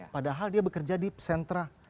padahal dia bekerja di sentra